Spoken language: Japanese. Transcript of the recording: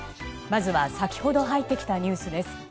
まずは先ほど入ってきたニュースです。